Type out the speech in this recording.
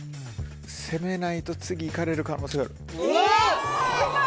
攻めないと次いかれる可能性がある。